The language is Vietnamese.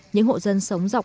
những hộ dân sống rộng